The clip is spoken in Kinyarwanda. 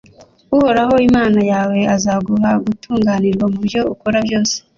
uhoraho imana yawe azaguha gutunganirwa mu byo ukora byose,